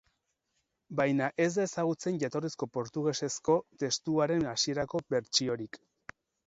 Baina ez da ezagutzen jatorrizko portugesezko testuaren hasierako bertsiorik.